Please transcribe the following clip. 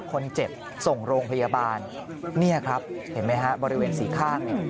คนเจ็บส่งโรงพยาบาลเนี่ยครับเห็นไหมฮะบริเวณสี่ข้างเนี่ย